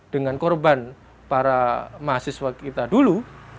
dengan korban para mahasiswa kita dulu